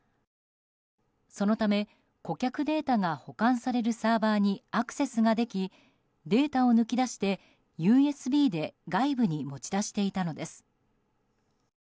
そのため、顧客データが保管されるサーバーにアクセスができデータを抜き出してＵＳＢで外部に持ち出していたのです。